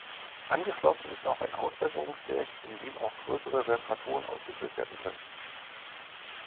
Angeschlossen ist ein Ausbesserungswerk, in dem auch größere Reparaturen ausgeführt werden können.